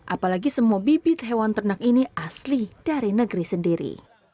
apalagi semua bibit hewan ternak ini asli dari negeri sendiri